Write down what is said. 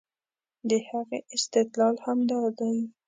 د هغې استدلال همدا دی